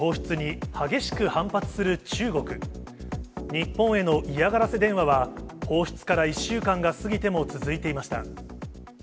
日本への嫌がらせ電話は、放出から１週間が過ぎても続いていました。